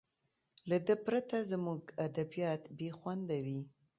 له ده پرته زموږ ادبیات بې خونده وي.